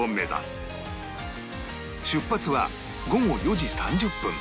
出発は午後４時３０分